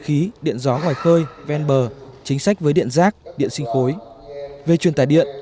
khí điện gió ngoài khơi ven bờ chính sách với điện rác điện sinh khối về truyền tải điện